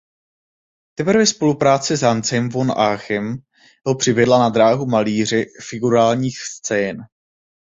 Teprve spolupráce s Hansem von Aachen ho přivedla na dráhu malíře figurálních scén.